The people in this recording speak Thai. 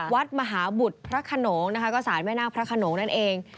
วัดมหาบุตรพระขนงก็ศาลแม่หน้าพระขนงนั่นเอง